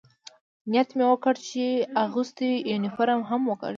نیت مې وکړ، چې اغوستی یونیفورم هم وکاږم.